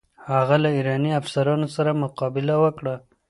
هغه له ایراني افسرانو سره مقابله وکړه.